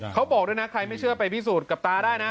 เขาบอกด้วยนะใครไม่เชื่อไปพิสูจน์กับตาได้นะ